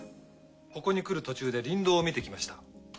ここに来る途中で林道を見てきました。